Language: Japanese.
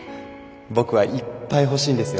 僕はいっぱい欲しいんですよ。